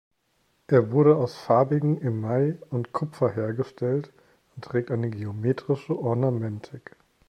Er wurde aus farbigem Email und Kupfer hergestellt und trägt eine geometrische Ornamentik.